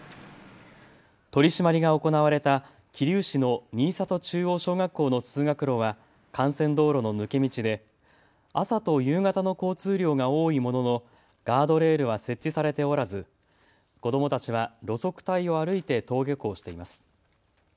取締りが行われた桐生市の新里中央小学校の通学路は幹線道路の抜け道で朝と夕方の交通量が多いもののガードレールは設置されておらず子どもたちは路側帯を歩いて登下校しています。